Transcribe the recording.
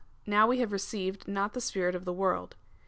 Now we have received, not the spirit of the world.